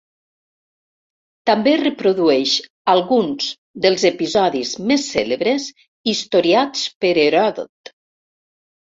També reprodueix alguns dels episodis més cèlebres historiats per Heròdot.